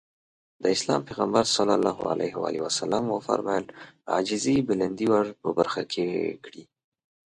د اسلام پيغمبر ص وفرمايل عاجزي بلندي ورپه برخه کړي.